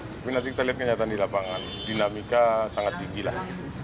tapi nanti kita lihat kenyataan di lapangan dinamika sangat tinggi lah